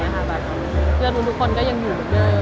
เพื่อนทุกคนก็ยังอยู่เหมือนเดิม